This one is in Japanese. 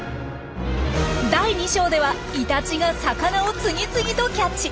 第２章ではイタチが魚を次々とキャッチ！